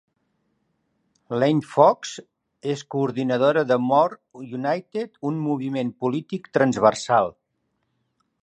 Lane Fox és coordinadora de More United, un moviment polític transversal.